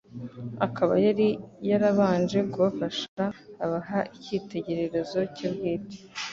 akaba yari yarabanje kubafasha abaha icyitegererezo cye bwite,